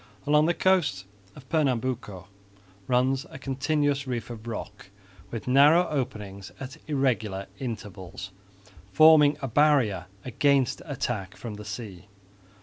Along the coast of Pernambuco runs a continuous reef of rock with narrow openings at irregular intervals, forming a barrier against attack from the sea.